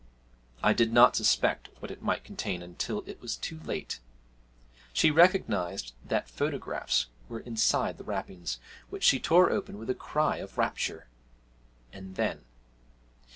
I did not suspect what it might contain until it was too late. She recognised that photographs were inside the wrappings, which she tore open with a cry of rapture and then!